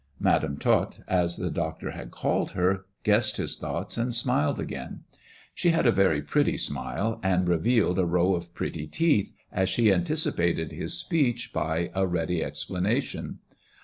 Madam Tot, as the doctor had called her, g his thoughts, and smiled again. She had a very smile, and revealed a row of pretty teeth as she antic his speech by a ready explanation.